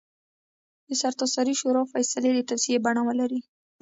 د سرتاسري شورا فیصلې د توصیې بڼه ولري.